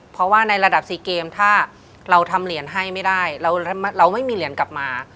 เพราะว่าในระดับ๔เกมถ้าเราทำเหรียญให้ไม่ได้เราไม่มีเหรียญกลับมา